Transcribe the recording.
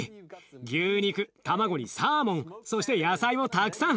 牛肉卵にサーモンそして野菜もたくさん。